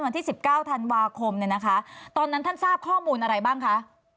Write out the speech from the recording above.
วันที่๑๙ธันวาคมเนี่ยนะคะตอนนั้นท่านทราบข้อมูลอะไรบ้างคะ